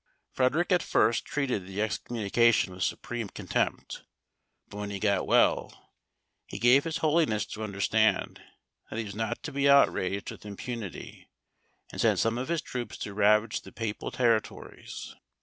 Frederic at first treated the excommunication with supreme contempt; but when he got well, he gave his holiness to understand that he was not to be outraged with impunity, and sent some of his troops to ravage the papal territories.